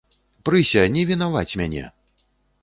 Прыся, не вінаваць мяне.